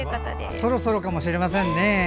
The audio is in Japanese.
そろそろかもしれませんね。